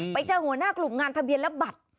ไปเจอหัวหน้ากลุ่มงานทะเบียนและบัตร